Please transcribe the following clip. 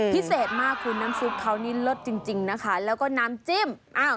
พิเศษมากคุณน้ำซุปเขานี่รสจริงนะคะแล้วก็น้ำจิ้ม